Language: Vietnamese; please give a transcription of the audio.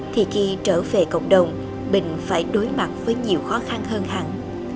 thì khi trở về cộng đồng mình phải đối mặt với nhiều khó khăn hơn hẳn